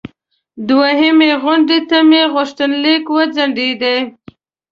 دوهمې غونډې ته مې غوښتنلیک وځنډیده.